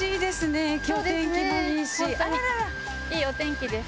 本当にいいお天気です。